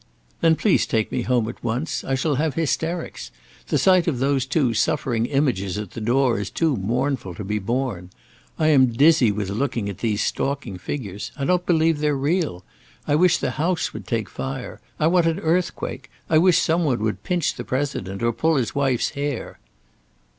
"Then please take me home at once. I shall have hysterics. The sight of those two suffering images at the door is too mournful to be borne. I am dizzy with looking at these stalking figures. I don't believe they're real. I wish the house would take fire. I want an earthquake. I wish some one would pinch the President, or pull his wife's hair."